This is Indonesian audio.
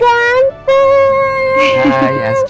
terima kasih pak